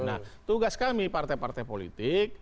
nah tugas kami partai partai politik